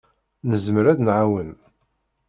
Nezmer ad d-nɛawen.